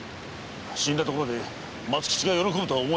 死んだところで松吉が喜ぶとは思えん。